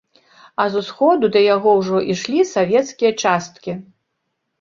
А з усходу да яго ўжо ішлі савецкія часткі.